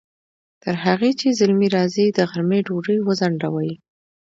تر هغې چې زلمی راځي، د غرمې ډوډۍ وځڼډوئ!